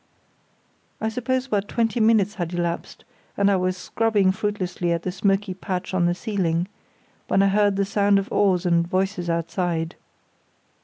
I suppose about twenty minutes had elapsed, and I was scrubbing fruitlessly at the smoky patch on the ceiling, when I heard the sound of oars and voices outside.